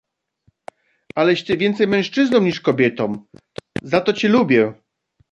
"aleś ty więcej mężczyzną niż kobietą i za to ciebie lubię!"